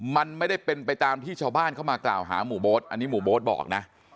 มันไม่ได้เป็นไปตามที่ชาวบ้านเข้ามากล่าวหาหมู่โบ๊ทอันนี้หมู่โบ๊ทบอกนะ